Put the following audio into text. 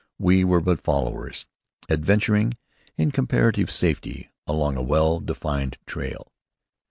We were but followers, adventuring, in comparative safety, along a well defined trail.